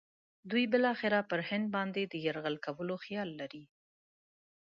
دوی بالاخره پر هند باندې د یرغل کولو خیال لري.